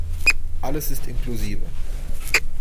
Alles ist inklusive.